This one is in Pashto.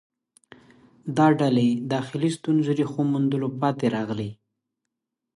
دا ډلې داخلي ستونزو ریښو موندلو پاتې راغلې